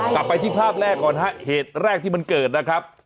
กลับไปที่ภาพแรกก่อนฮะเหตุแรกที่มันเกิดนะครับ